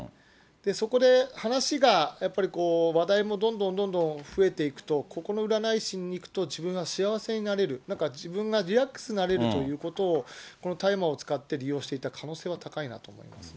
そこで話がやっぱり話題もどんどんどんどん増えていくと、ここの占い師に行くと、自分は幸せになれる、なんか自分がリラックスになれるということをこの大麻を使って利用していた可能性は高いなと思いますね。